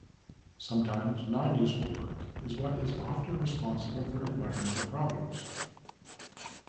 Sometimes, non-useful work is what is often responsible for environmental problems.